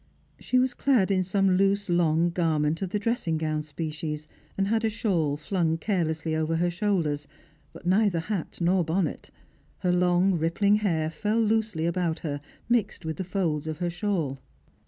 She was clad in some loose long garment of the dressing gown species, and had a shawl flung carelessly over her shoul ders ; but neither hat nor bonnet. Her long rippUng hair fell loosely about her, mixed with the folds of her shawl.